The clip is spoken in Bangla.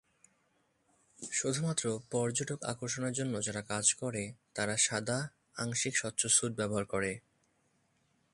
শুধুমাত্র পর্যটক আকর্ষণের জন্য যারা কাজ করে তারা সাদা, আংশিক স্বচ্ছ স্যুট ব্যবহার করে।